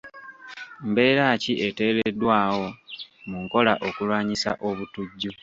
Mbeera ki eteereddwawo mu nkola okulwanyisa obutujju?